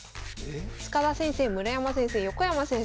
塚田先生村山先生横山先生